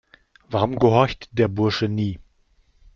Warum gehorcht der Bursche nie?